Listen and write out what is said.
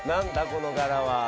この柄は。